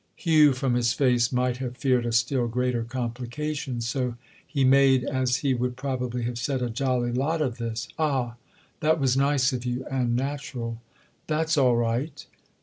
Hugh, from his face, might have feared a still greater complication; so he made, as he would probably have said, a jolly lot of this. "Ah, that was nice of you. And natural. That's all right!"